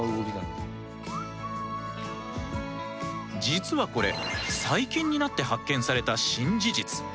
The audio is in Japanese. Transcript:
実はこれ最近になって発見された新事実。